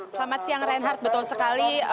selamat siang reinhardt betul sekali